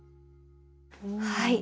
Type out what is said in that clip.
はい。